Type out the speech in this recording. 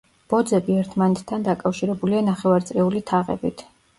ბოძები ერთმანეთთან დაკავშირებულია ნახევარწრიული თაღებით.